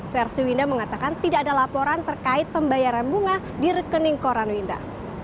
versi winda mengatakan tidak ada laporan terkait pembayaran bunga di rekening koran winda